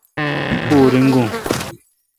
پو ریگو ۔